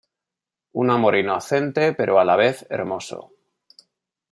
Un amor inocente pero a la vez hermoso.